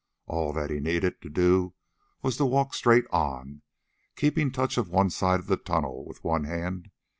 All that he needed to do was to walk straight on, keeping touch of one side of the tunnel with one hand.